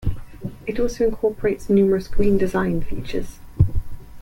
It also incorporates numerous green design features.